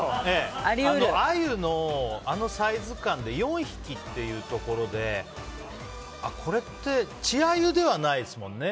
アユのサイズ感で４匹っていうところでこれって稚アユではないですもんね。